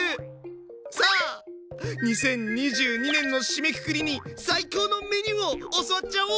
さあ２０２２年の締めくくりに最高のメニューを教わっちゃおう！